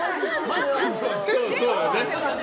そうだね。